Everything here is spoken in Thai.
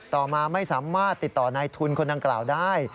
ต่อมาไม่สามารถติดต่อนายทุนคนดังกล่าวได้